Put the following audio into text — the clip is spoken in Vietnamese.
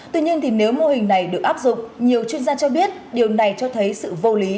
tuy nhiên nếu mô hình này được áp dụng nhiều chuyên gia cho biết điều này cho thấy sự vô lý